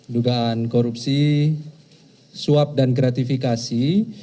dugaan korupsi suap dan gratifikasi